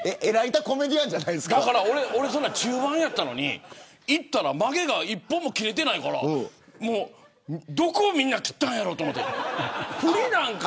俺は中盤だったのにいったらまげが１本も切れていないからどこをみんな切ったんやろうと思って。